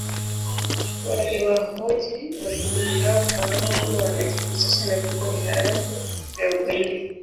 waliwahoji wakimbizi hao kufahamu kama wanajihusisha na vikundi haramu vya ugaidi